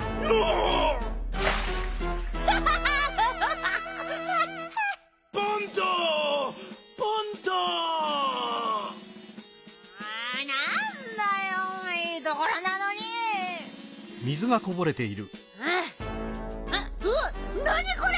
うわっなにこれ！